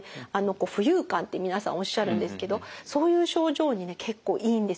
浮遊感って皆さんおっしゃるんですけどそういう症状にね結構いいんですね。